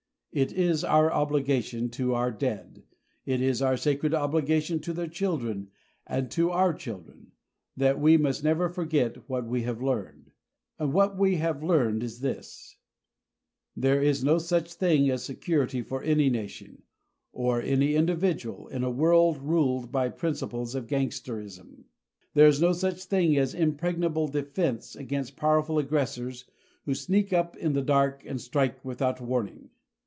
It is our obligation to our dead it is our sacred obligation to their children and to our children that we must never forget what we have learned. And what we have learned is this: There is no such thing as security for any nation or any individual in a world ruled by the principles of gangsterism. There is no such thing as impregnable defense against powerful aggressors who sneak up in the dark and strike without warning.